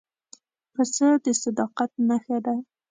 پسه د صداقت نښه ده.